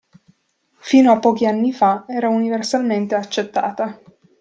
Fino a pochi anni fa era universalmente accettata.